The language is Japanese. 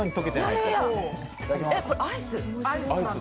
えっ、これアイス？